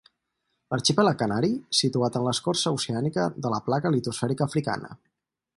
L'arxipèlag canari, situat en l'escorça oceànica de la placa litosfèrica africana.